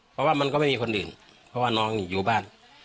เพราะว่ามันก็ไม่มีคนอื่นเพราะว่าน้องนี่อยู่บ้าน